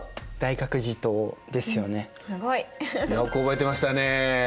すごい！よく覚えてましたね。